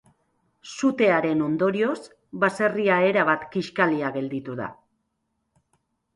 Sutearen ondorioz, baserria erabat kiskalia gelditu da.